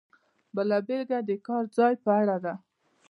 بله بېلګه د کار ځای په اړه ده.